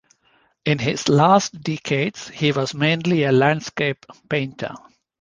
In his last decades, he was mainly a landscape painter.